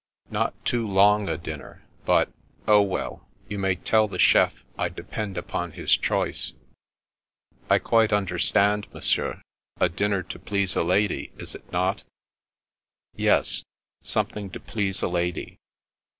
" Not too long a dinner, but— oh well, you may tell the chef I depend upon his choice." "I quite understand, Monsieur. A dinner to please a lady, is it not ?"" Yes. Something to please a lady."